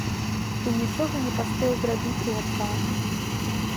І нічога не паспеў зрабіць у адказ.